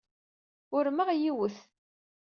Urmeɣ yiwet.